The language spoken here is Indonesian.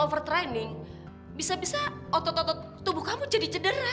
hah kenapa bisa jadi begini